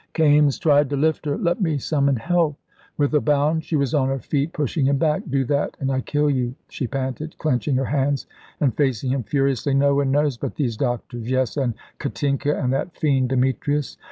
Kaimes tried to lift her. "Let me summon help." With a bound she was on her feet, pushing him back. "Do that and I kill you," she panted, clenching her hands and facing him furiously. "No one knows but these doctors yes, and Katinka, and that fiend Demetrius.